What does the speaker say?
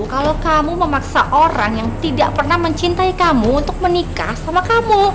kalau kamu memaksa orang yang tidak pernah mencintai kamu untuk menikah sama kamu